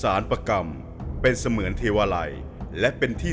ชื่องนี้ชื่องนี้ชื่องนี้ชื่องนี้ชื่องนี้